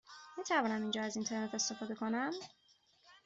می توانم اینجا از اینترنت استفاده کنم؟